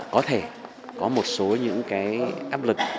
có thể có một số những cái áp lực